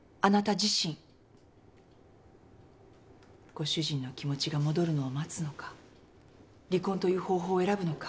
ご主人の気持ちが戻るのを待つのか離婚という方法を選ぶのか。